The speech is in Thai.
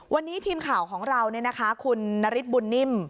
วันนี้ทีมข่าวของเราคุณนฤทธิบุญนิ่ม